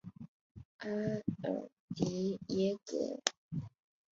阿尔迪耶格。